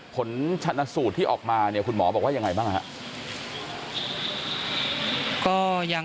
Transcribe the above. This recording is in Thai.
ผลชนสูตรที่ออกมาเนี่ยคุณหมอบอกว่ายังไงบ้างครับ